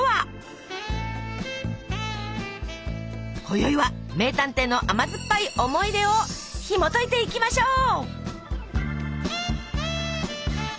こよいは名探偵の甘酸っぱい思い出をひもといていきましょう。